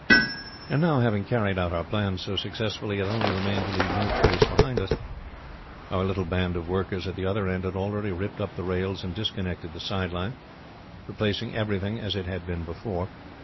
"And now, having carried out our plans so successfully, it only remained to leave no trace behind us. Our little band of workers at the other end had already ripped up the rails and disconnected the side line, replacing everything as it had been before.